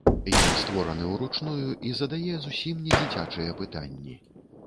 Ён створаны ўручную і задае зусім недзіцячыя пытанні.